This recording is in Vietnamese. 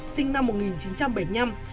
sinh năm một nghìn chín trăm bảy mươi năm